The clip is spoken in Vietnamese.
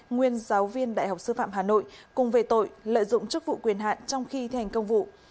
nguyên giáo viên đại học sư phạm hà nội cùng về tội lợi dụng chức vụ quyền hạn trong khi thi hành công vụ